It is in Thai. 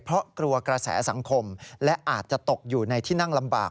เพราะกลัวกระแสสังคมและอาจจะตกอยู่ในที่นั่งลำบาก